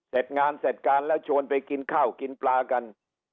เสร็จงานเสร็จการแล้วชวนไปกินข้าวกินปลากัน